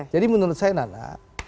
jadi menurut saya nana